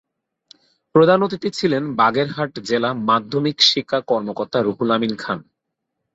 প্রধান অতিথি ছিলেন বাগেরহাট জেলা মাধ্যমিক শিক্ষা কর্মকর্তা রুহুল আমিন খান।